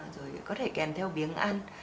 rồi có thể kèn theo viếng ăn